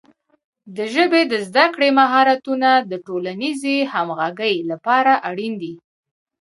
د ژبې د زده کړې مهارتونه د ټولنیزې همغږۍ لپاره اړین دي.